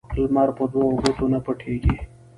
لمر په دو ګوتو نه پټېږي